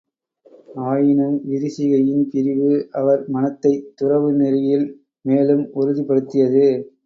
ஆயினும் விரிசிகையின் பிரிவு அவர் மனத்தைத் துறவு நெறியில் மேலும் உறுதிப் படுத்தியது.